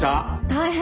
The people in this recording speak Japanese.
大変！